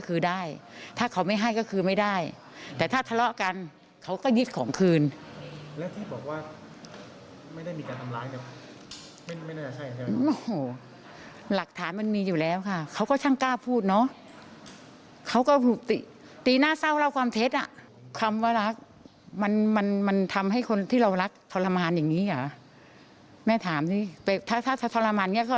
คือคุณแม่พูดถูกนะคะจะมาอ้างคำว่ารักจะมาบอกว่ารักเนี่ยมันไม่น่าจะใช่